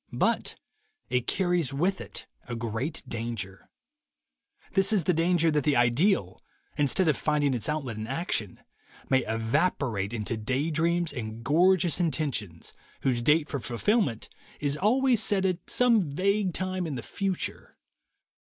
But it carries with it a great danger. This is the danger that the ideal, instead of finding its outlet in action, may evaporate into day dreams and gorgeous intentions whose date for fulfillment is always set at some vague time in the future.